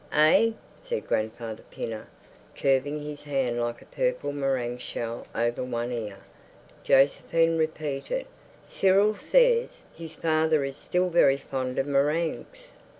"Eh?" said Grandfather Pinner, curving his hand like a purple meringue shell over one ear. Josephine repeated, "Cyril says his father is still very fond of meringues."